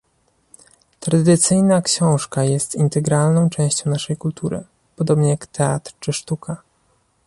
Tradycyjna książka jest integralną częścią naszej kultury, podobnie jak teatr czy sztuka